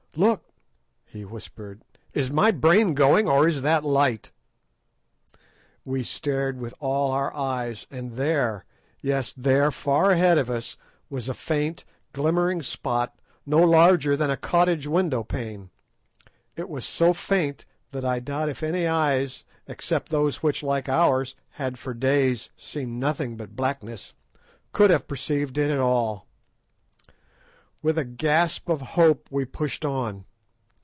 "Look!" he whispered, "is my brain going, or is that light?" We stared with all our eyes, and there, yes, there, far ahead of us, was a faint, glimmering spot, no larger than a cottage window pane. It was so faint that I doubt if any eyes, except those which, like ours, had for days seen nothing but blackness, could have perceived it at all. With a gasp of hope we pushed on.